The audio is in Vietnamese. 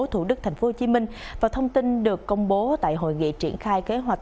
thủ đức thành phố hồ chí minh và thông tin được công bố tại hội nghị triển khai kế hoạch